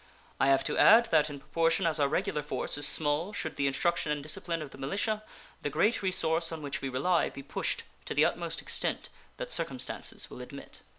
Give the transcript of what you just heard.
I have to add that in proportion as our regular force is small should the instruction and discipline of the militia, the great resource on which we rely, be pushed to the utmost extent that circumstances will admit.